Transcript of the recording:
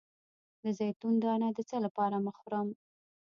د زیتون دانه د څه لپاره مه خورم؟